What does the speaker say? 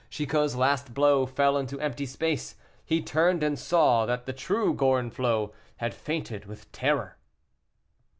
Chicot's last blow fell into empty space. He turned, and saw that the true Gorenflot had fainted with terror.